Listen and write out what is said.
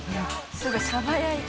すごい鯖焼いて。